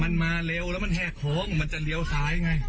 มันมาเร็วแล้วมันแหกโค้งมันจะเลี้ยวซ้ายไง